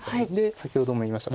先ほども言いましたここ。